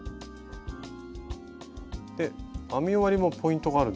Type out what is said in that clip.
編み終わりもポイントがあるんですか？